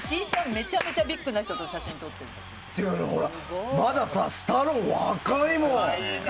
めちゃめちゃビッグな人とまだスタローン、若いもん！